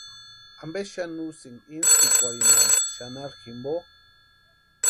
¿Ampe xani usïni intspikwarhinhani xanharhu jimpo?